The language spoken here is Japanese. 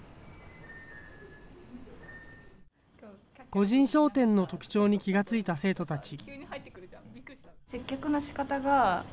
個人商店の特徴に気が付いた生徒たち。